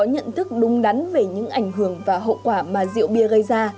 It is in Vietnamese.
chấn thương về những ảnh hưởng và hậu quả mà rượu bia gây ra